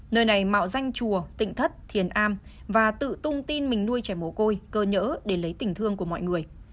nơi này mạo danh chùa tỉnh thất thiền am và tự tung tin mình nuôi trẻ mổ côi cơ nhỡ để lấy tỉnh thương của mọi người